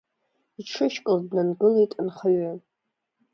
Иҽышькыл днангылеит анхаҩы.